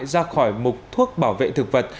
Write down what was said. ra khỏi mục thuốc bảo vệ thực vật